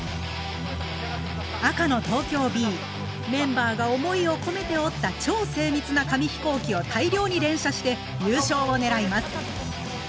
赤の東京Ｂメンバーが思いを込めて折った超精密な紙飛行機を大量に連射して優勝を狙います。